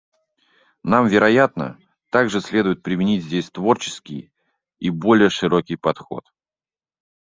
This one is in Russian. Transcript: Нам, вероятно, также следует применить здесь творческий и более широкий подход.